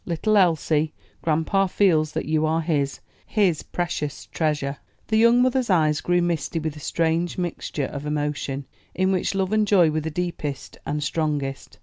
Little Elsie, grandpa feels that you are his; his precious treasure." The young mother's eyes grew misty with a strange mixture of emotion, in which love and joy were the deepest and strongest.